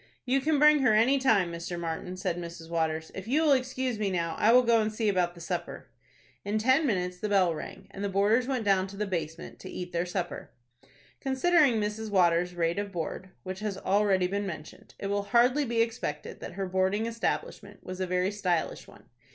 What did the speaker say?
"You can bring her any time, Mr. Martin," said Mrs. Waters. "If you will excuse me now, I will go and see about the supper." In ten minutes the bell rang, and the boarders went down to the basement to eat their supper. Considering Mrs. Waters' rate of board, which has already been mentioned, it will hardly be expected that her boarding establishment was a very stylish one.